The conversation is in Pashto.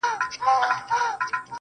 لا به په تا پسي ژړېږمه زه.